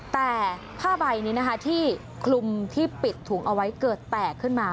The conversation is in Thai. แต่ผ้าใบนี้นะคะที่คลุมที่ปิดถุงเอาไว้เกิดแตกขึ้นมา